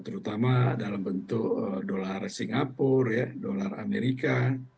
terutama dalam bentuk dolar singapura dolar amerika